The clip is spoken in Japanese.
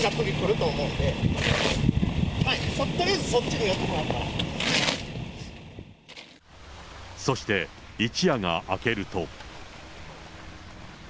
とりあえず、そして一夜が明けると。